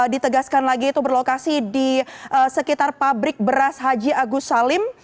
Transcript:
ditegaskan lagi itu berlokasi di sekitar pabrik beras haji agus salim